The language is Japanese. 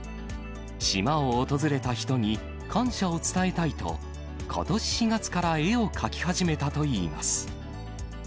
島を訪れた人に、感謝を伝えたいと、ことし４月から絵を描き始めたといいます。